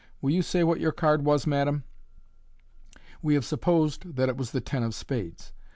Will you say what your card was, madam ?" We have supposed that it was the ten of spades.